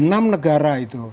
enam negara itu